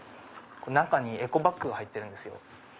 中にエコバッグが入ってるんですよ。